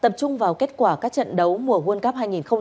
tập trung vào kết quả các trận đấu mùa world cup hai nghìn hai mươi ba